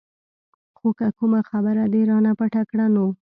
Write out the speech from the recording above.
خو که کومه خبره دې رانه پټه کړه نو.